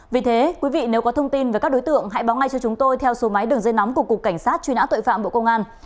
vì thế quý vị nếu có thông tin về các đối tượng hãy báo ngay cho chúng tôi theo số máy đường dây nóng của cục cảnh sát truy nã tội phạm bộ công an